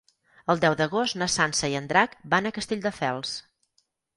El deu d'agost na Sança i en Drac van a Castelldefels.